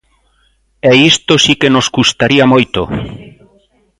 E isto si que nos custaría moito.